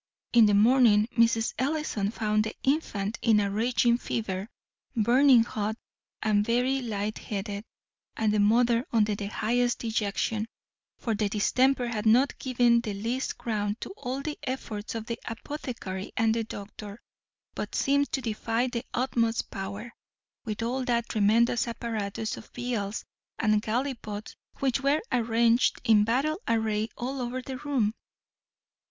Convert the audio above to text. In the morning Mrs. Ellison found the infant in a raging fever, burning hot, and very light headed, and the mother under the highest dejection; for the distemper had not given the least ground to all the efforts of the apothecary and doctor, but seemed to defy their utmost power, with all that tremendous apparatus of phials and gallypots, which were arranged in battle array all over the room.